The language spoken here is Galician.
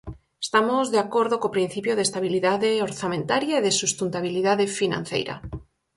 Estamos de acordo co principio de estabilidade orzamentaria e de sustentabilidade financeira.